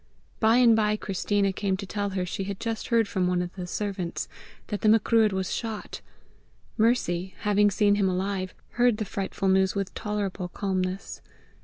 By and by Christina came to tell her she had just heard from one of the servants that the Macruadh was shot. Mercy, having seen him alive, heard the frightful news with tolerable calmness.